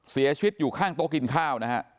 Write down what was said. เสียชิ้นอยู่ข้างโต๊ะกินข้าว